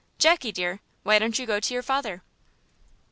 Jackie, dear, why don't you go to your father?"